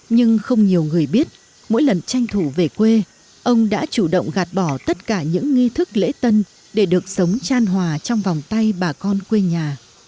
nhưng không nhiều người biết mỗi lần tranh thủ về quê ông đã chủ động gạt bỏ tất cả những nghi thức lễ tân để được sống tràn hòa trong vòng tay bà con quê nhà